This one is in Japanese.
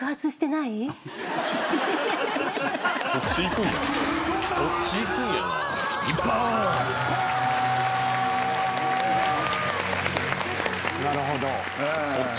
なるほど。